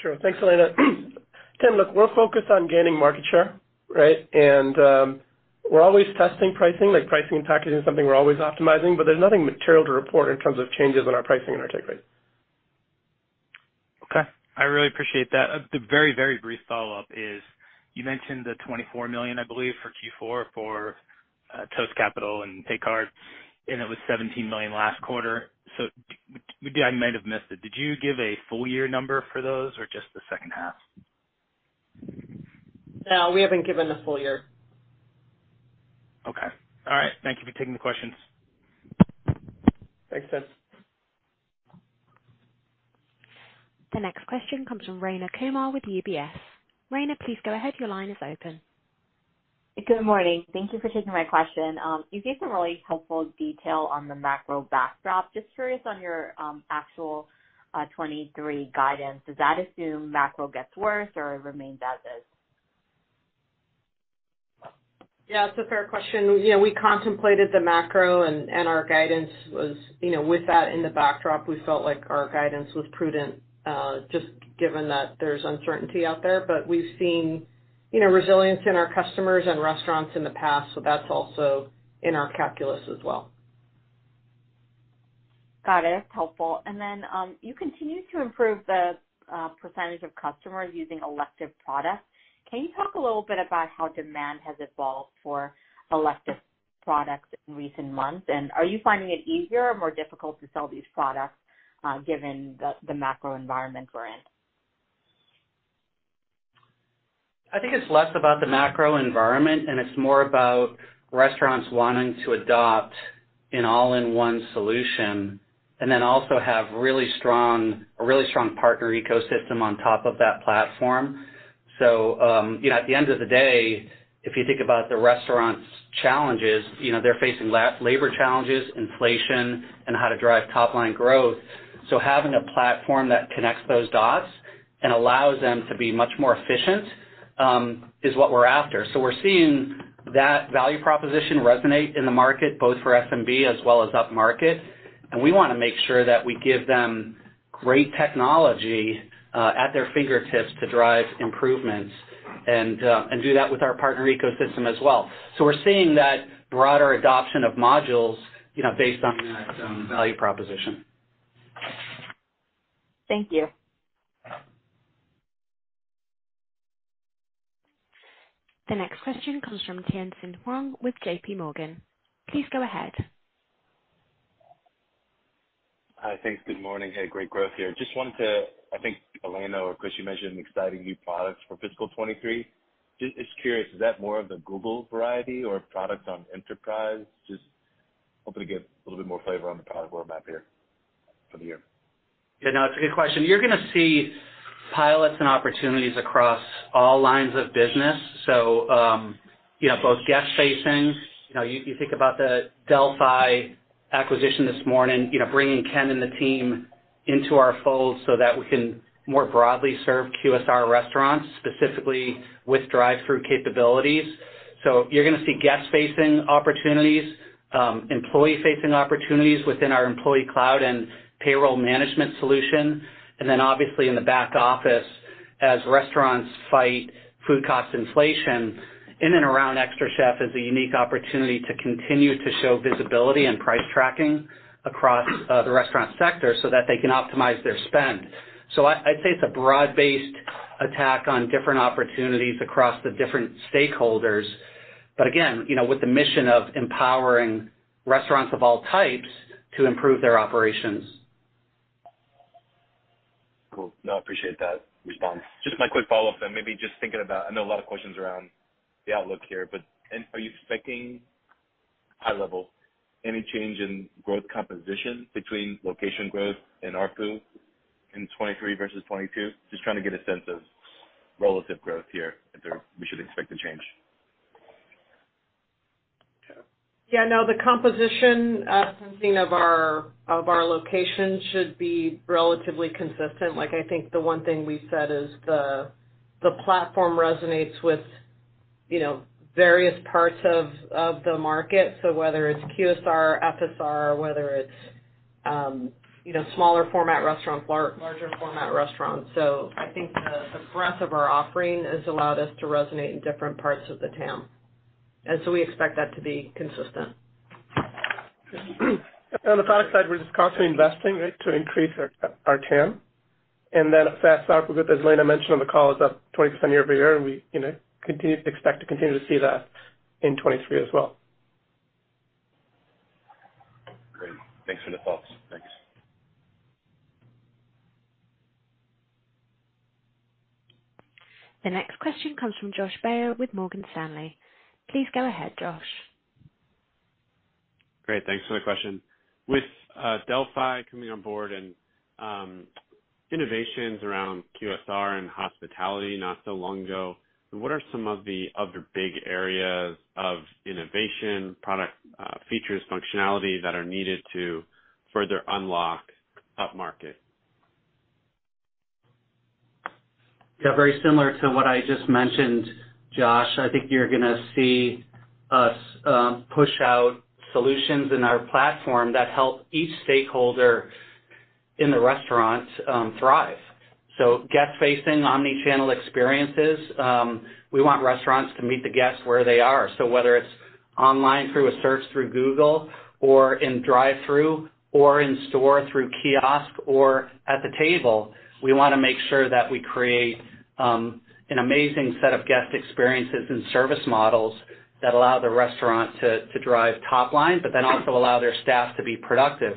Sure. Thanks, Elena. Tim, look, we're focused on gaining market share, right? We're always testing pricing, like pricing and packaging is something we're always optimizing, but there's nothing material to report in terms of changes in our pricing and our take rate. Okay. I really appreciate that. A very, very brief follow-up is you mentioned the $24 million, I believe, for Q4 for Toast Capital and Paycard, and it was $17 million last quarter. I might have missed it. Did you give a full year number for those or just the second half? No, we haven't given the full year. Okay. All right. Thank you for taking the questions. Thanks, Tim. The next question comes from Rayna Kumar with UBS. Rayna, please go ahead. Your line is open. Good morning. Thank you for taking my question. You gave some really helpful detail on the macro backdrop. Just curious on your actual 23 guidance. Does that assume macro gets worse or it remains as is? Yeah, it's a fair question. You know, we contemplated the macro and our guidance was, you know, with that in the backdrop, we felt like our guidance was prudent, just given that there's uncertainty out there. We've seen, you know, resilience in our customers and restaurants in the past, so that's also in our calculus as well. Got it. Helpful. Then, you continue to improve the percentage of customers using elective products. Can you talk a little bit about how demand has evolved for elective products in recent months? Are you finding it easier or more difficult to sell these products given the macro environment we're in? I think it's less about the macro environment, and it's more about restaurants wanting to adopt an all-in-one solution and then also have a really strong partner ecosystem on top of that platform. You know, at the end of the day, if you think about the restaurant's challenges, you know, they're facing labor challenges, inflation, and how to drive top line growth. Having a platform that connects those dots and allows them to be much more efficient is what we're after. We're seeing that value proposition resonate in the market, both for SMB as well as upmarket. We wanna make sure that we give them great technology at their fingertips to drive improvements and do that with our partner ecosystem as well. We're seeing that broader adoption of modules, you know, based on that value proposition. Thank you. The next question comes from Tien-Tsin Huang with JPMorgan. Please go ahead. Hi. Thanks. Good morning. Hey, great growth here. I think Elena or Chris, you mentioned exciting new products for fiscal 2023. Just curious, is that more of the Google variety or products on enterprise? Just hoping to get a little bit more flavor on the product roadmap here for the year. No, it's a good question. You're gonna see pilots and opportunities across all lines of business. You know, both guest-facing. You know, you think about the Delphi acquisition this morning, you know, bringing Ken and the team into our fold so that we can more broadly serve QSR restaurants, specifically with drive-through capabilities. You're gonna see guest-facing opportunities, employee-facing opportunities within our employee cloud and payroll management solution. Obviously, in the back office, as restaurants fight food cost inflation, in and around xtraCHEF is a unique opportunity to continue to show visibility and price tracking across the restaurant sector so that they can optimize their spend. I'd say it's a broad-based attack on different opportunities across the different stakeholders. Again, you know, with the mission of empowering restaurants of all types to improve their operations. Cool. No, I appreciate that response. Just my quick follow-up then, maybe just thinking about, I know a lot of questions around the outlook here, but are you expecting, high level, any change in growth composition between location growth and ARPU in 2023 versus 2022? Just trying to get a sense of relative growth here, if there we should expect a change. Yeah, no, the composition, Tien, of our, of our locations should be relatively consistent. Like, I think the one thing we said is the platform resonates with, you know, various parts of the market. So whether it's QSR, FSR, whether it's, you know, smaller format restaurants, larger format restaurants. I think the breadth of our offering has allowed us to resonate in different parts of the TAM. We expect that to be consistent. On the product side, we're just constantly investing, right, to increase our TAM. Fast output, as Elena mentioned on the call, is up 20% year-over-year, and we, you know, continue to expect to continue to see that in 2023 as well. Great. Thanks for the thoughts. Thanks. The next question comes from Josh Baer with Morgan Stanley. Please go ahead, Josh. Great. Thanks for the question. With Delphi coming on board and innovations around QSR and hospitality not so long ago, what are some of the other big areas of innovation, product, features, functionality that are needed to further unlock upmarket? Yeah, very similar to what I just mentioned, Josh. I think you're gonna see us push out solutions in our platform that help each stakeholder in the restaurant thrive. Guest-facing omni-channel experiences, we want restaurants to meet the guests where they are. Whether it's online through a search through Google or in drive-through or in store through kiosk or at the table, we wanna make sure that we create an amazing set of guest experiences and service models that allow the restaurant to drive top line, but then also allow their staff to be productive.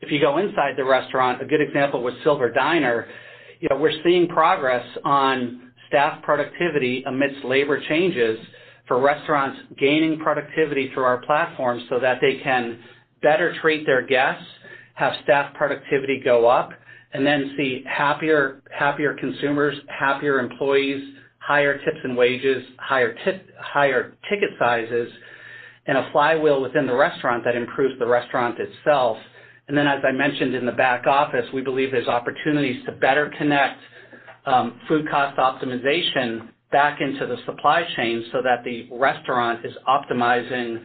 If you go inside the restaurant, a good example with Silver Diner, you know, we're seeing progress on staff productivity amidst labor changes for restaurants gaining productivity through our platform so that they can better treat their guests, have staff productivity go up, and then see happier consumers, happier employees, higher tips and wages, higher ticket sizes, and a flywheel within the restaurant that improves the restaurant itself. As I mentioned in the back office, we believe there's opportunities to better connect food cost optimization back into the supply chain so that the restaurant is optimizing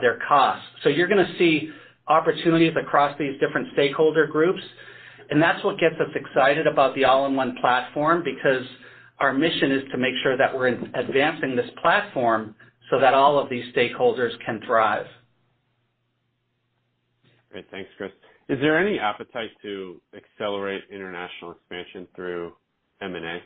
their costs. You're gonna see opportunities across these different stakeholder groups. That's what gets us excited about the all-in-one platform because our mission is to make sure that we're advancing this platform so that all of these stakeholders can thrive. Great. Thanks, Chris. Is there any appetite to accelerate international expansion through M&A?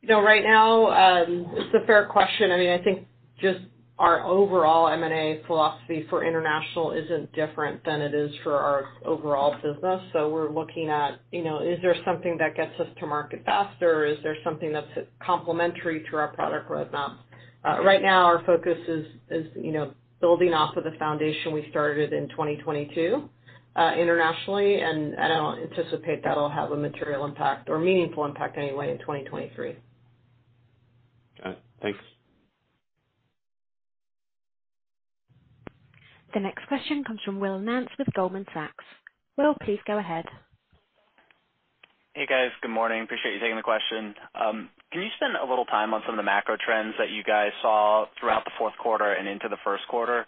You know, right now, it's a fair question. I mean, I think just our overall M&A philosophy for international isn't different than it is for our overall business. We're looking at, you know, is there something that gets us to market faster? Is there something that's complimentary to our product roadmap? Right now, our focus is, you know, building off of the foundation we started in 2022, internationally, and I don't anticipate that'll have a material impact or meaningful impact anyway in 2023. Got it. Thanks. The next question comes from Will Nance with Goldman Sachs. Will, please go ahead. Hey, guys. Good morning. Appreciate you taking the question. Can you spend a little time on some of the macro trends that you guys saw throughout the fourth quarter and into the first quarter?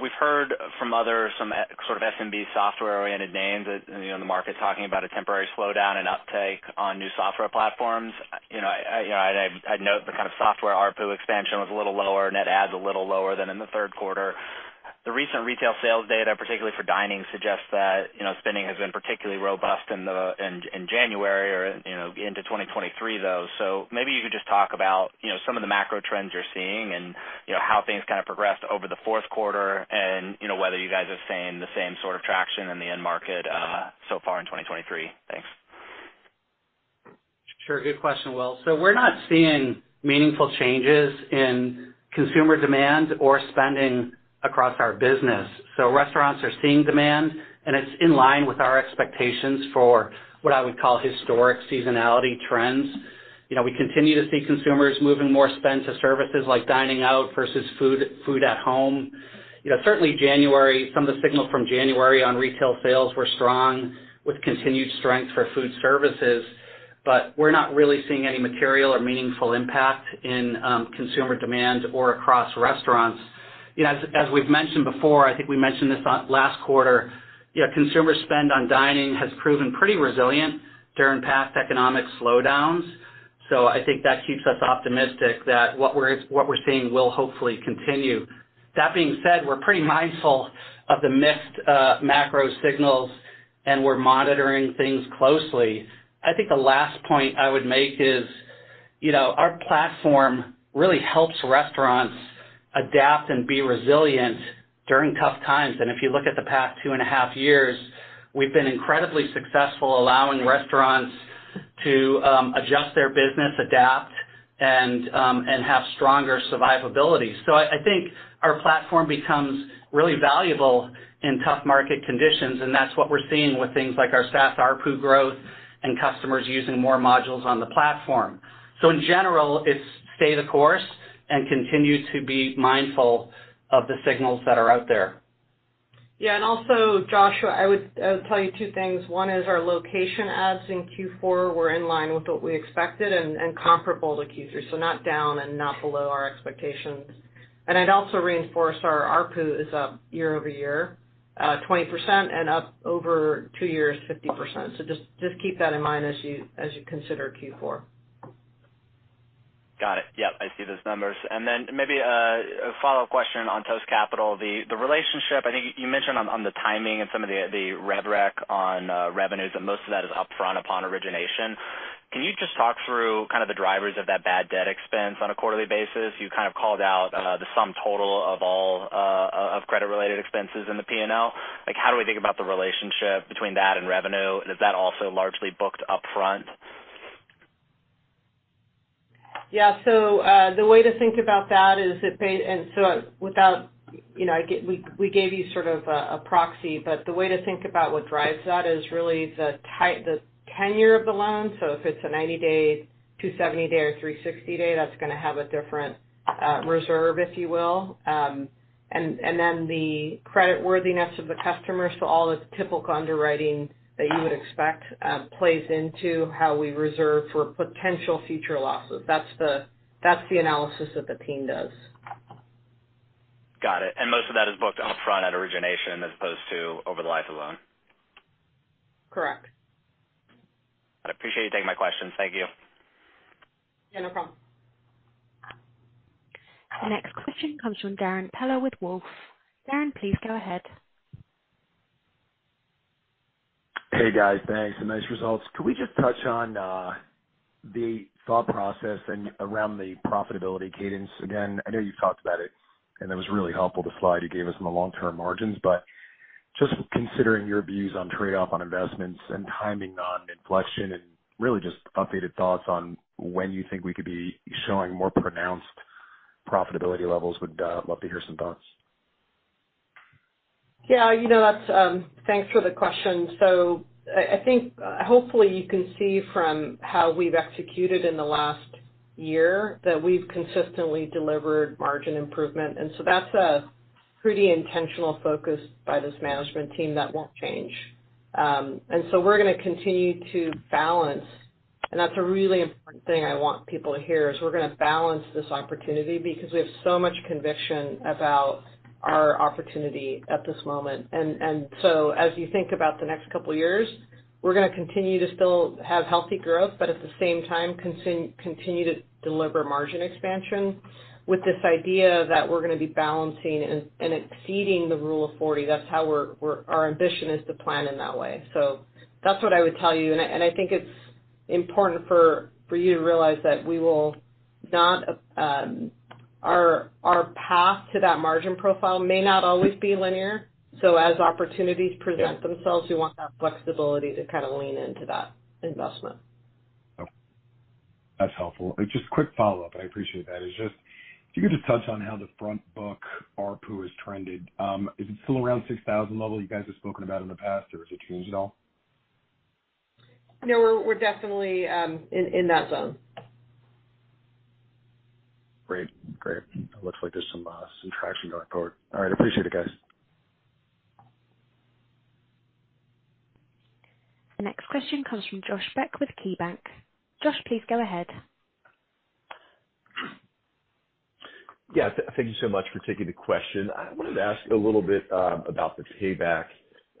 We've heard from others, some, sort of SMB software-oriented names, you know, in the market talking about a temporary slowdown in uptake on new software platforms. I'd note the kind of software ARPU expansion was a little lower, net adds a little lower than in the third quarter. The recent retail sales data, particularly for dining, suggests that, you know, spending has been particularly robust in January or, you know, into 2023, though. Maybe you could just talk about, you know, some of the macro trends you're seeing and, you know, how things kind of progressed over the fourth quarter and, you know, whether you guys are seeing the same sort of traction in the end market so far in 2023. Thanks. Sure. Good question, Will. We're not seeing meaningful changes in consumer demand or spending across our business. Restaurants are seeing demand, and it's in line with our expectations for what I would call historic seasonality trends. You know, we continue to see consumers moving more spend to services like dining out versus food at home. You know, certainly January, some of the signals from January on retail sales were strong with continued strength for food services, We're not really seeing any material or meaningful impact in consumer demand or across restaurants. You know, as we've mentioned before, I think we mentioned this on last quarter, you know, consumer spend on dining has proven pretty resilient during past economic slowdowns. I think that keeps us optimistic that what we're seeing will hopefully continue. That being said, we're pretty mindful of the mixed macro signals, and we're monitoring things closely. I think the last point I would make is, you know, our platform really helps restaurants adapt and be resilient during tough times. If you look at the past two and a half years, we've been incredibly successful allowing restaurants to adjust their business, adapt, and have stronger survivability. I think our platform becomes really valuable in tough market conditions, and that's what we're seeing with things like our SaaS ARPU growth and customers using more modules on the platform. In general, it's stay the course and continue to be mindful of the signals that are out there. Yeah. Also, Joshua, I would tell you two things. One is our location adds in Q4 were in line with what we expected and comparable to Q3, not down and not below our expectations. I'd also reinforce our ARPU is up year-over-year 20% and up over two years 50%. Just keep that in mind as you consider Q4. Got it. Yeah, I see those numbers. Then maybe a follow-up question on Toast Capital. The relationship, I think you mentioned on the timing and some of the rev rec on revenues. Most of that is upfront upon origination. Can you just talk through kind of the drivers of that bad debt expense on a quarterly basis? You kind of called out the sum total of all of credit-related expenses in the P&L. Like, how do we think about the relationship between that and revenue? Is that also largely booked upfront? Yeah. The way to think about that is without, you know, we gave you sort of a proxy, but the way to think about what drives that is really the tenure of the loan. If it's a 90-day, 270-day, or 360-day, that's gonna have a different reserve, if you will. The creditworthiness of the customers. All the typical underwriting that you would expect plays into how we reserve for potential future losses. That's the analysis that the team does. Got it. Most of that is booked upfront at origination as opposed to over the life of the loan? Correct. I appreciate you taking my questions. Thank you. Yeah, no problem. The next question comes from Darrin Peller with Wolfe. Darrin, please go ahead. Hey, guys. Thanks. Nice results. Could we just touch on the thought process and around the profitability cadence again? I know you've talked about it, and it was really helpful, the slide you gave us on the long-term margins. Just considering your views on trade-off on investments and timing on inflection and really just updated thoughts on when you think we could be showing more pronounced profitability levels. Would love to hear some thoughts. Yeah, you know, that's. Thanks for the question. I think, hopefully you can see from how we've executed in the last year that we've consistently delivered margin improvement. That's a pretty intentional focus by this management team that won't change. That's a really important thing I want people to hear, is we're gonna balance this opportunity because we have so much conviction about our opportunity at this moment. As you think about the next couple of years, we're gonna continue to still have healthy growth, but at the same time continue to deliver margin expansion with this idea that we're gonna be balancing and exceeding the Rule of 40. That's how we're our ambition is to plan in that way. That's what I would tell you. I think it's important for you to realize that we will not, our path to that margin profile may not always be linear, so as opportunities present themselves, we want that flexibility to kinda lean into that investment. Okay. That's helpful. Just a quick follow-up. I appreciate that. It's just if you could just touch on how the front book ARPU has trended. Is it still around $6,000 level you guys have spoken about in the past, or has it changed at all? No, we're definitely in that zone. Great. Great. It looks like there's some traction going forward. All right. Appreciate it, guys. The next question comes from Josh Beck with KeyBanc. Josh, please go ahead. Yeah. Thank you so much for taking the question. I wanted to ask a little bit about the payback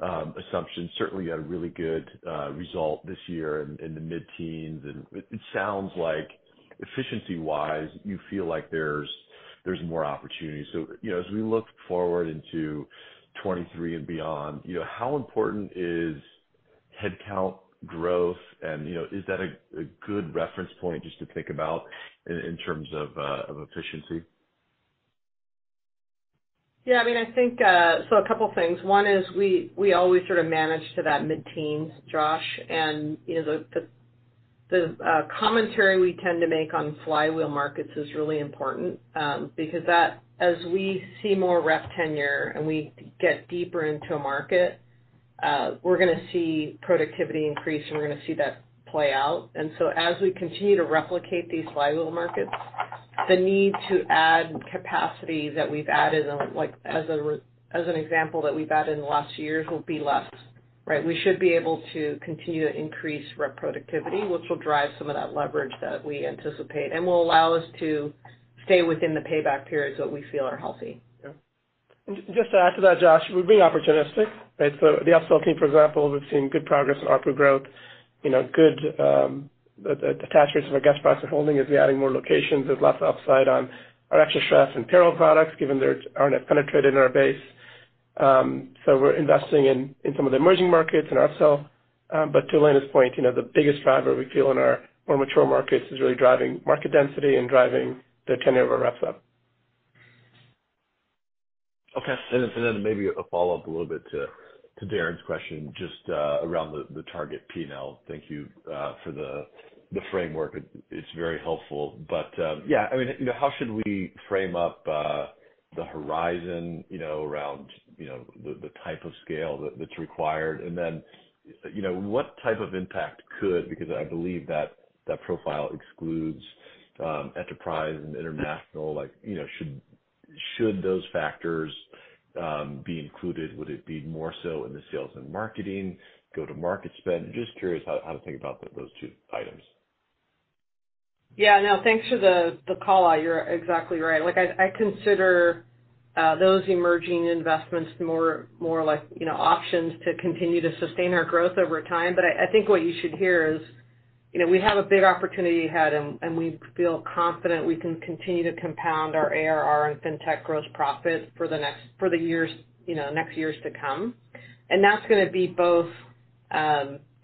assumption. Certainly you had a really good result this year in the mid-teens, and it sounds like efficiency-wise, you feel like there's more opportunity. You know, as we look forward into 2023 and beyond, you know, how important is headcount growth and, you know, is that a good reference point just to think about in terms of efficiency? Yeah, I mean, I think a couple things. One is we always sort of manage to that mid-teen, Josh. You know, the commentary we tend to make on flywheel markets is really important because as we see more rep tenure and we get deeper into a market, we're gonna see productivity increase, and we're gonna see that play out. As we continue to replicate these flywheel markets, the need to add capacity that we've added, like as an example that we've added in the last years will be less, right? We should be able to continue to increase rep productivity, which will drive some of that leverage that we anticipate and will allow us to stay within the payback periods that we feel are healthy. Yeah. Just to add to that, Josh, we're being opportunistic, right? The upsell team, for example, we've seen good progress in ARPU growth, you know, good attach rates from a guest processor holding as we're adding more locations. There's lots of upside on our xtraCHEF and payroll products given they aren't as penetrated in our base. We're investing in some of the emerging markets in upsell. To Elena's point, you know, the biggest driver we feel in our more mature markets is really driving market density and driving the tenure of our reps up. Okay. Then maybe a follow-up a little bit to Darrin's question, just around the target P&L. Thank you for the framework. It's very helpful. Yeah, I mean, you know, how should we frame up the horizon, you know, around, you know, the type of scale that's required? Then, you know, what type of impact could, because I believe that profile excludes enterprise and international. Like, you know, should those factors be included? Would it be more so in the sales and marketing, go-to-market spend? Just curious how to think about those two items. Yeah. No, thanks for the call out. You're exactly right. Like I consider those emerging investments more like, you know, options to continue to sustain our growth over time. I think what you should hear is, you know, we have a big opportunity ahead, and we feel confident we can continue to compound our ARR and fintech gross profit for the years, you know, next years to come. That's gonna be both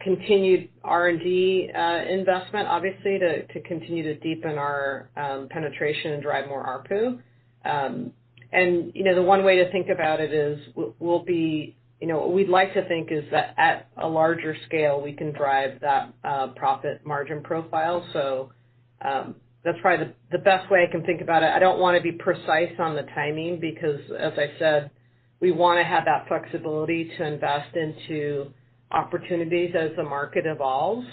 continued R&D investment, obviously to continue to deepen our penetration and drive more ARPU. The one way to think about it is we'll be, you know, what we'd like to think is that at a larger scale, we can drive that profit margin profile. That's probably the best way I can think about it. I don't wanna be precise on the timing because as I said, we wanna have that flexibility to invest into opportunities as the market evolves.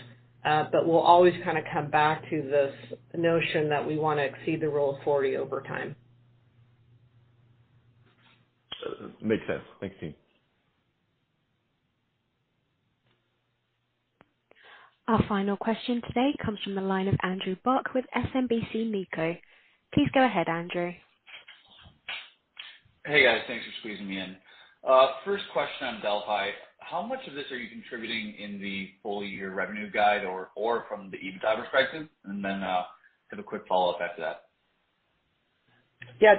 We'll always kinda come back to this notion that we wanna exceed the Rule of 40 over time. Makes sense. Thanks, team. Our final question today comes from the line of Andrew Bauch with SMBC Nikko. Please go ahead, Andrew. Hey, guys. Thanks for squeezing me in. First question on Delphi. How much of this are you contributing in the full year revenue guide or from the EBITDA restriction? Have a quick follow-up after that.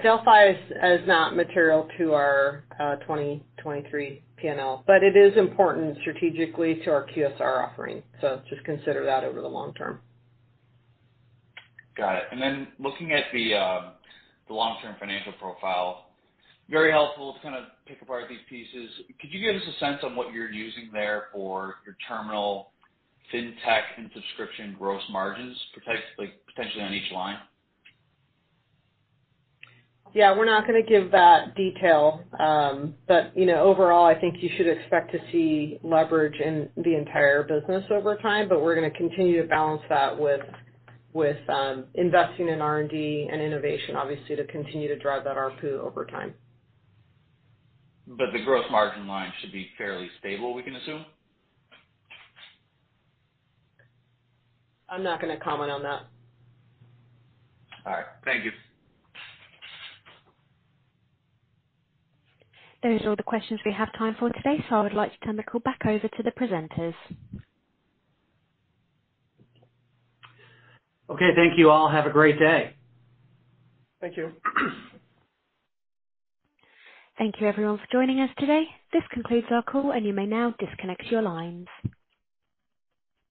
Delphi is not material to our 2023 P&L, but it is important strategically to our QSR offering, so just consider that over the long term. Got it. Then looking at the long-term financial profile, very helpful to kind of pick apart these pieces. Could you give us a sense on what you're using there for your terminal Fintech and subscription gross margins, potentially on each line? Yeah, we're not gonna give that detail. You know, overall, I think you should expect to see leverage in the entire business over time, we're gonna continue to balance that with investing in R&D and innovation, obviously to continue to drive that ARPU over time. The gross margin line should be fairly stable, we can assume? I'm not gonna comment on that. All right. Thank you. That is all the questions we have time for today. I would like to turn the call back over to the presenters. Okay. Thank you all. Have a great day. Thank you. Thank you everyone for joining us today. This concludes our call. You may now disconnect your lines.